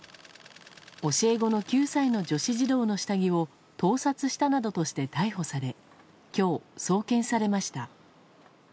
教え子の９歳の女子児童の下着を盗撮したなどとして逮捕され今日、送検されました。